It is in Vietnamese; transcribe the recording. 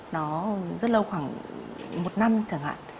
nó rất lâu khoảng một năm chẳng hạn